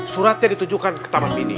suratnya ditunjukkan ke taman bini